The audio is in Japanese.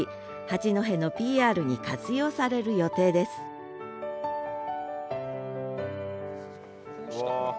八戸のＰＲに活用される予定ですうわ。